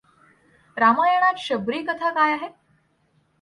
रामायणात शबरी कथा काय आहे?